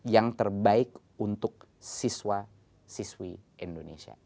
yang terbaik untuk siswa siswi indonesia